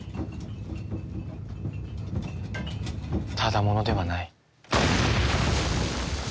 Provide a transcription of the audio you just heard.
ただ者ではない。